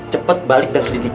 cepat balik dan sedikit